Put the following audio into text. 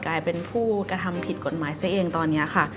กลายเป็นผู้กระทำผิดกฎหมายซะเองตอนนี้ค่ะ